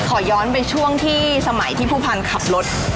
ขอย้อนไปช่วงที่สมัยที่ผู้พันธ์ขับรถ